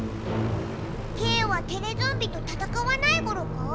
ケイはテレゾンビと戦わないゴロか？